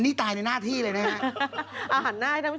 นี่ตายในหน้าที่เลยนะครับ